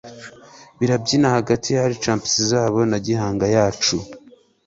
Barabyina hagati ya arclamps zabo na gihanga yacu,